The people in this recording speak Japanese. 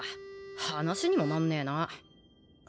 話にもなんねえな。